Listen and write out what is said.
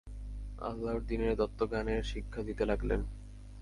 আল্লাহর দ্বীনের তত্ত্বজ্ঞানের শিক্ষা দিতে লাগলেন।